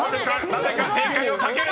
［なぜか正解を避ける！］